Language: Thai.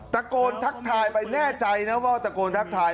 ตะโกนทักทายไปแน่ใจนะว่าตะโกนทักทาย